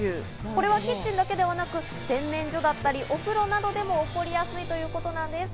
これはキッチンだけではなく、洗面所だったりお風呂などでも起こりやすいということなんです。